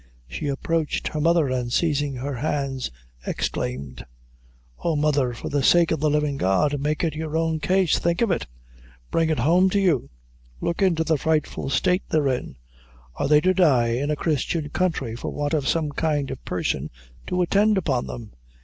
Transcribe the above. She approached her mother, and, seizing her hands, exclaimed: "Oh, mother, for the sake of the livin' God, make it your own case! think of it bring it home to you look into the frightful state they're in. Are they to die in a Christian country for want of some kind person to attend upon them?